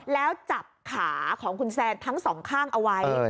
แล้วจับขาของคุณแซนทั้งสองข้างเอาไว้